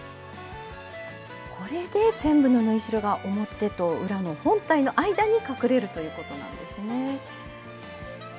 これで全部の縫い代が表と裏の本体の間に隠れるということなんですね。